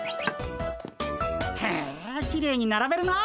へえきれいにならべるなあ。